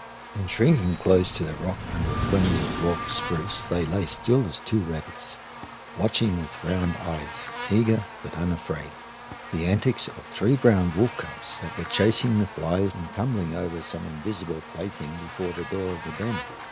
And shrinking close to the rock under a friendly dwarf spruce they lay still as two rabbits, watching with round eyes, eager but unafraid, the antics of three brown wolf cubs that were chasing the flies and tumbling over some invisible plaything before the door of the den.